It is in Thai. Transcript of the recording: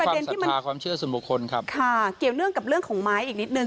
เขามาด้วยความสัทธาความเชื่อส่วนบุคคลครับค่ะเกี่ยวเรื่องกับเรื่องของไม้อีกนิดหนึ่ง